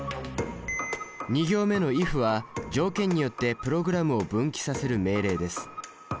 ２行目の「ｉｆ」は条件によってプログラムを分岐させる命令です。